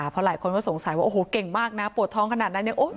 เพราะหลายคนก็สงสัยว่าโอ้โหเก่งมากนะปวดท้องขนาดนั้นเนี่ย